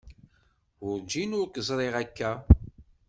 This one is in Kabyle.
Werǧin i k-ẓriɣ akka.